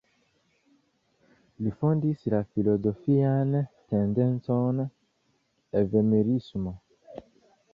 Li fondis la filozofian tendencon Evemerismo.